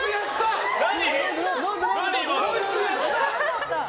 何？